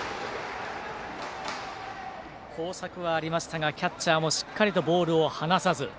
交錯はありましたがキャッチャーもしっかりボールは放さず。